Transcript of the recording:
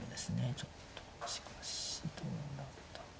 ちょっとしかしどうなった。